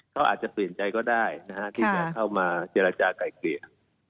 เขาอาจจะเปลี่ยนใจก็ได้นะฮะที่จะเข้ามาเจรจากลายเกลี่ย